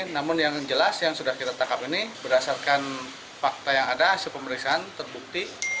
namun yang jelas yang sudah kita tangkap ini berdasarkan fakta yang ada hasil pemeriksaan terbukti